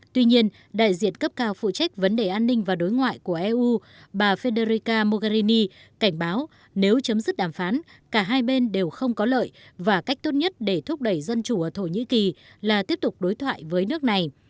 tuy nhiên đại diện cấp cao phụ trách vấn đề an ninh và đối ngoại của eu bà federica mogherini cảnh báo nếu chấm dứt đàm phán cả hai bên đều không có lợi và cách tốt nhất để thúc đẩy dân chủ ở thổ nhĩ kỳ là tiếp tục đối thoại với nước này